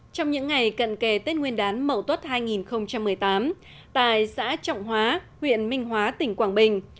trong những ngày cận kề tết nguyên đán mậu tuất hai nghìn một mươi tám tại xã trọng hóa huyện minh hóa tỉnh quảng bình